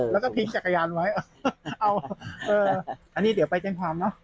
แล้วก็ทิ้งจักรยานไว้เอาเอออันนี้เดี๋ยวไปแจ้งความเนอะ